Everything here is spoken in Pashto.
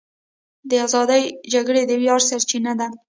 د ازادۍ جګړې د ویاړ سرچینه ده.